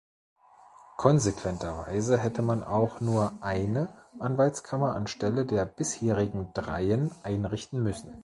Konsequenterweise hätte man auch nur eine Anwaltskammer anstelle der bisherigen dreien einrichten müssen.